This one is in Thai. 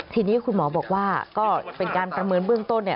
ทีนี้คุณหมอบอกว่าก็เป็นการประเมินเบื้องต้นเนี่ย